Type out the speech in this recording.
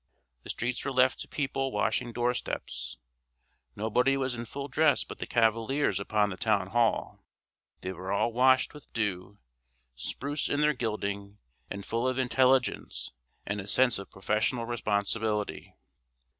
The streets were left to people washing door steps; nobody was in full dress but the cavaliers upon the town hall; they were all washed with dew, spruce in their gilding, and full of intelligence and a sense of professional responsibility.